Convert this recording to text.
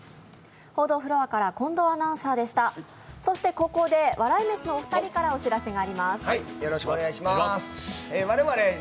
ここで笑い飯のお二人からお知らせがあります。